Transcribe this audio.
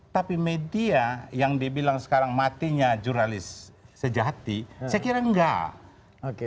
tapi media yang dibilang sekarang matinya jurnalis sejati saya kira enggak